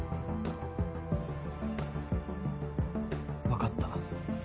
わかった。